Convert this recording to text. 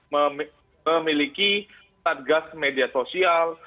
memiliki targas media sosial